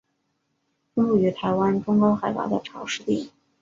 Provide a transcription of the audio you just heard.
分布于台湾中高海拔的潮湿地。